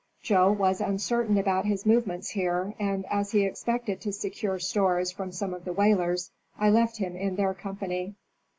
Joe was uncertain about his movements here, and as he expected to secure stores from some of the whalers I left him in their com pany.